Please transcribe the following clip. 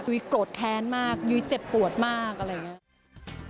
โกรธแค้นมากยุ้ยเจ็บปวดมากอะไรอย่างนี้